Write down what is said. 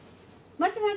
もしもし。